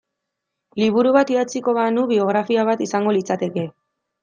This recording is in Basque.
Liburu bat idatziko banu biografia bat izango litzateke.